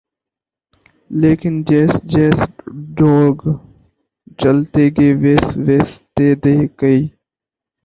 لیکن جیس جیس دوڑ گ ، چلتے گ ویس ویس ت دھ گئی